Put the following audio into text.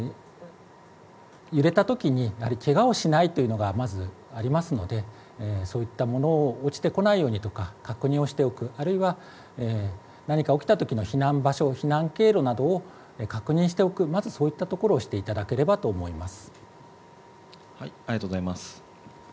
揺れたときにやはりけがをしないのというのがまずありますのでそういったもの落ちてこないようにとか確認をしておくあるいは何か起きたときの避難場所、避難経路などを確認しておく、まずそういったところをしていだだければと思います。